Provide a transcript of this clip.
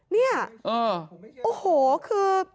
นี่โอ้โฮคือ